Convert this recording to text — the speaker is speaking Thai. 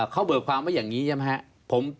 เขาเบิกความว่าอย่างนี้ใช่ไหมครับ